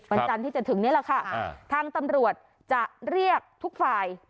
วันตั้งที่จะถึงเนี่ยล่ะค่ะทางตำรวจจะเรียกทุกฝ่ายไปตกลง